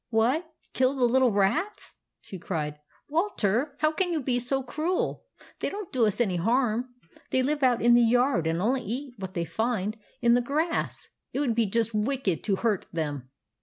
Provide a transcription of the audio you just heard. "What, kill the little rats?" she cried. " Walter, how can you be so cruel ? They don't do us any harm. They live out in the yard, and only eat what they find in the \ ioo THE ADVENTURES OF MABEL grass. It would be just wicked to hurt them